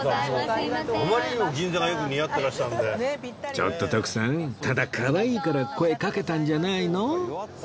ちょっと徳さんただかわいいから声かけたんじゃないの？